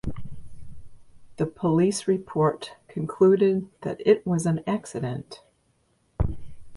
The police report concluded that it was an accident.